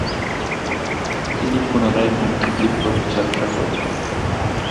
তিনি পুনরায় মধ্য তিব্বত যাত্রা করেন।